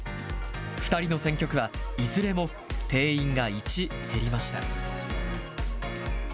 ２人の選挙区は、いずれも定員が１減りました。